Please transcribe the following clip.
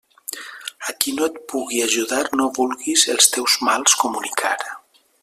A qui no et pugui ajudar no vulguis els teus mals comunicar.